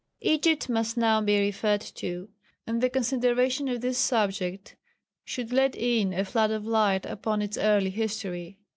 Egypt must now be referred to, and the consideration of this subject should let in a flood of light upon its early history.